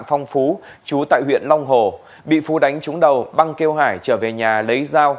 phong phú chú tại huyện long hồ bị phú đánh trúng đầu băng kêu hải trở về nhà lấy dao